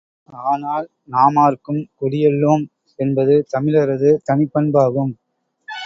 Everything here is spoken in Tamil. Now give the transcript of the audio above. ஆனால், நாமார்க்கும் குடியல்லோம் என்பது தமிழரது தனிப்பண்பாகும்.